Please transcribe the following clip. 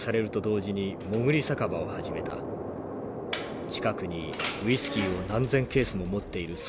近くにウイスキーを何千ケースも持っている倉庫があった。